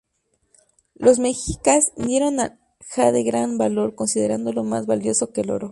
Los mexicas dieron al jade gran valor, considerándolo más valioso que el oro.